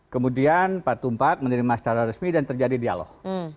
kemudian pak tumpak menerima secara resmi dan terjadi dialog